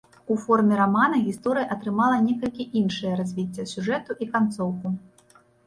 У форме рамана гісторыя атрымала некалькі іншыя развіцця сюжэту і канцоўку.